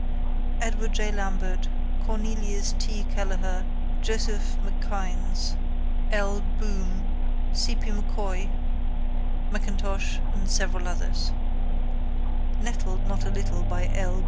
Edw. J. Lambert, Cornelius T. Kelleher, Joseph M'C Hynes, L. Boom, C P M'Coy,—M'Intosh and several others_. Nettled not a little by L.